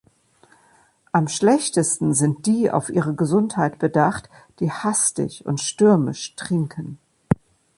Am schlechtesten sind die auf ihre Gesundheit bedacht, die hastig und stürmisch trinken.